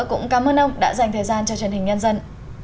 cũng cảm ơn ông đã dành thời gian cho truyền hình nhân dân